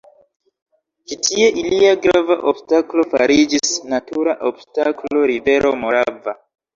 Ĉi tie ilia grava obstaklo fariĝis natura obstaklo rivero Morava.